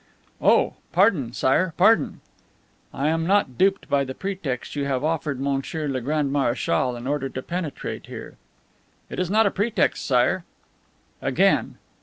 "Oh, pardon, Sire, pardon." "I am not duped by the pretext you have offered Monsieur le Grand Marechal in order to penetrate here." "It is not a pretext, Sire." "Again!"